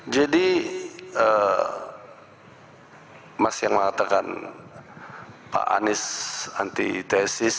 jadi mas yang mengatakan pak anies anti tesis